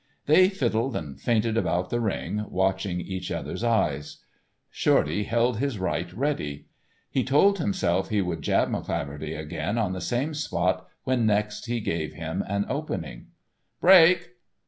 They fiddled and feinted about the ring, watching each other's eyes. Shorty held his right ready. He told himself he would jab McCleaverty again on the same spot when next he gave him an opening. "_Break!